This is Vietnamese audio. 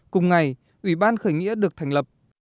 cùng ngày ủy ban khởi nghĩa được thành lập